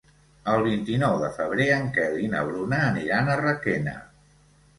El vint-i-nou de febrer en Quel i na Bruna aniran a Requena.